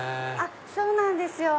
そうなんですよ。